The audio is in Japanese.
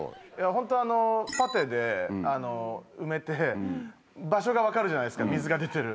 本当は、パテで埋めて、場所が分かるじゃないですか、水が出てる。